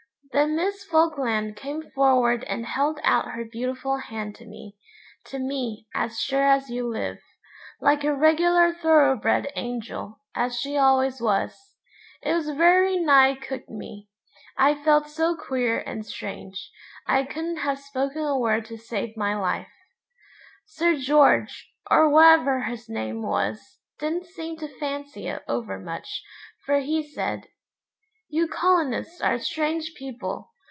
Then Miss Falkland came forward and held out her beautiful hand to me to me, as sure as you live like a regular thoroughbred angel, as she always was. It very nigh cooked me. I felt so queer and strange, I couldn't have spoken a word to save my life. Sir George, or whatever his name was, didn't seem to fancy it over much, for he said 'You colonists are strange people.